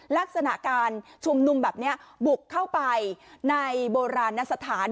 ลักษณะการชุมนุมแบบนี้บุกเข้าไปในโบราณสถาน